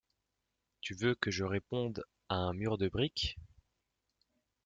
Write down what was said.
Tu veux que je réponde «à un mur de briques».